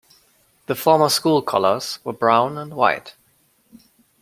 The former school colours were brown and white.